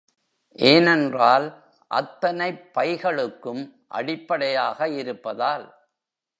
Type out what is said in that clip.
ஏனென்றால் அத்தனைப் பைகளுக்கும் அடிப்படையாக இருப்பதால்.